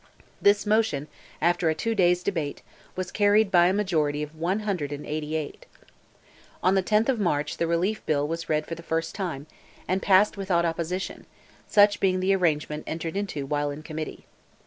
This motion, after two days' debate, was carried by a majority of 188. On the 10th of March the Relief Bill was read for the first time, and passed without opposition, such being the arrangement entered into while in committee.